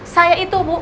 saya itu bu